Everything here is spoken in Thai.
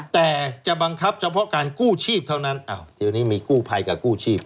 แต่จะบังคับเฉพาะการกู้ชีพเท่านั้นทีนี้มีกู้ภัยกับกู้ชีพ